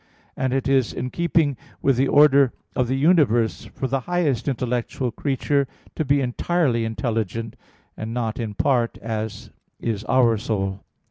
And it is in keeping with the order of the universe for the highest intellectual creature to be entirely intelligent; and not in part, as is our soul.